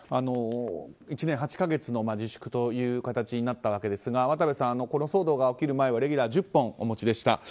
１年８か月の自粛という形になったわけですが渡部さん、この騒動が起きる前はレギュラー１０本お持ちでした。